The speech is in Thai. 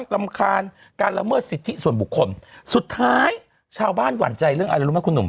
รำคาญการละเมิดสิทธิส่วนบุคคลสุดท้ายชาวบ้านหวั่นใจเรื่องอะไรรู้ไหมคุณหนุ่มฮ